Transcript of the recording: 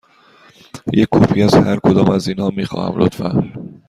یک کپی از هر کدام از اینها می خواهم، لطفاً.